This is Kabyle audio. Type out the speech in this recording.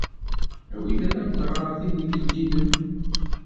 Awi-d ad am-d-ɣreɣ tidikelt-nnem.